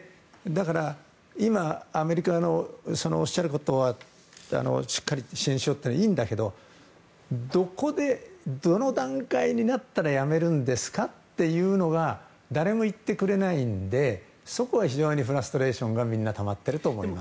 今、アメリカのおっしゃることはしっかり支援しようというのはいいんだけれどどこで、どの段階になったらやめるんですかというのが誰も言ってくれないのでそこは非常にフラストレーションがみんなたまっていると思います。